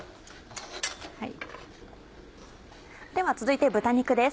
では続いて豚肉です。